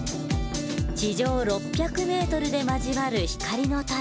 地上６００ｍで交わる光の束。